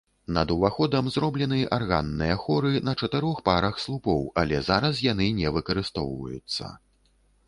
Над уваходам зроблены арганныя хоры на чатырох парах слупоў, але зараз яны не выкарыстоўваюцца.